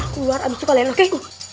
aku keluar abis itu kalau lo kek